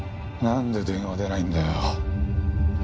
なんで電話出ないんだよ